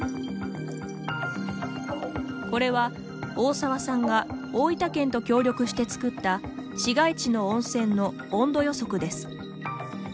これは、大沢さんが大分県と協力して作った市街地の温泉の温度予測です。